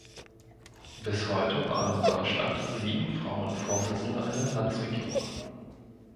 Bis heute waren in Deutschland sieben Frauen Vorsitzende einer Landesregierung.